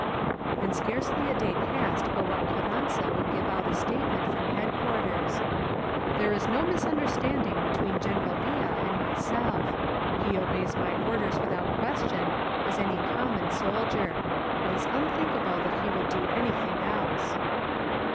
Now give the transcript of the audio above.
And scarcely a day passed but what Carranza would give out a statement from headquarters : "There is no misunderstanding between General Villa and myself. He obeys my orders without question, as any common soldier. It is unthinkable that he would do anything else."